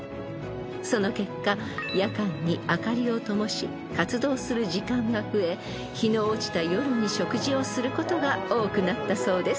［その結果夜間に明かりを灯し活動する時間が増え日の落ちた夜に食事をすることが多くなったそうです］